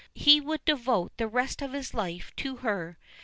He would devote the rest of his life to her.